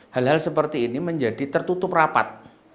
hal hal seperti ini menjadi tertutup rapat